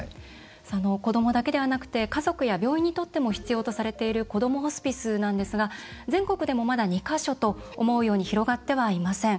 子どもだけじゃなくて家族や病院にとっても必要とされているこどもホスピスなんですが全国でもまだ２か所と思うように広がっていません。